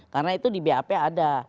karena itu di bap ada